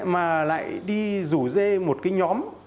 mà lại đi rủ dê một nhóm